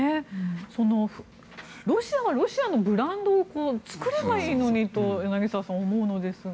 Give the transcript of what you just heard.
ロシアはロシアのブランドを作ればいいのにって柳澤さん、思うのですが。